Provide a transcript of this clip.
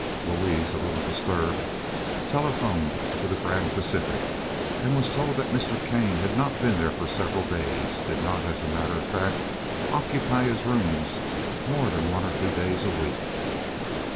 Louise, a little disturbed, telephoned to the Grand Pacific, and was told that Mr. Kane had not been there for several days—did not, as a matter of fact, occupy his rooms more than one or two days a week.